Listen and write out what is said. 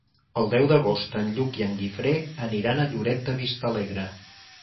El deu d'agost en Lluc i en Guifré aniran a Lloret de Vistalegre.